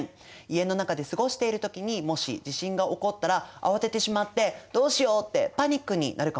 家の中で過ごしている時にもし地震が起こったら慌ててしまってどうしようってパニックになるかもしれないもんね。